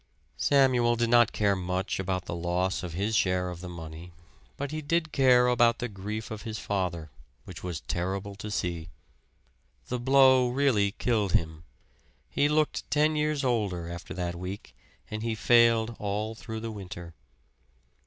Samuel did not care much about the loss of his share of the money; but he did care about the grief of his father, which was terrible to see. The blow really killed him; he looked ten years older after that week and he failed all through the winter.